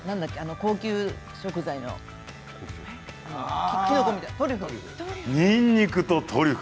高級食材のきのこみたいなトリュフ！